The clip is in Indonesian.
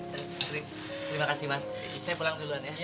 terima kasih mas saya pulang duluan ya